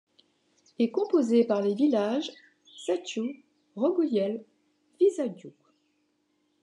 Est compose par les villages Săcuieu, Rogojel, Vișagu.